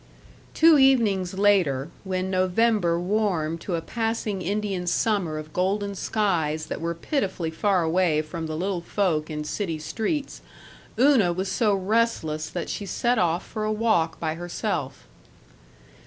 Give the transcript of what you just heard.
§ 7 Two evenings later, when November warmed to a passing Indian summer of golden skies that were pitifully far away from the little folk in city streets, Una was so restless that she set off for a walk by herself.